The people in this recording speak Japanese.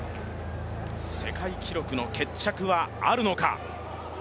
世界記録の決着はあるのか。